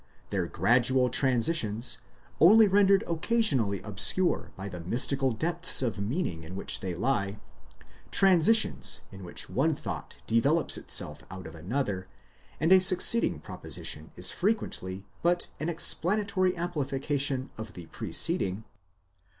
Their gradual transi tions, only rendered occasionally obscure by the mystical depths of meaning in which they lie,—transitions in which one thought develops itself out of another, and a succeeding proposition is frequently but an explanatory ampli fication of the preceding